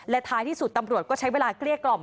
ท้ายที่สุดตำรวจก็ใช้เวลาเกลี้ยกล่อม